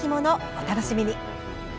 お楽しみに。